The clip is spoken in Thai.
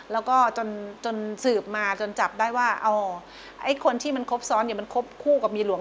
แล้วก็จนจนสืบมาจนจับได้ว่าเอาไอคนที่มันครบซ้อนมันครบคู่กับมีหลวง